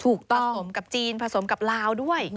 ถูกต้องผสมกับจีนผสมกับลาวด้วย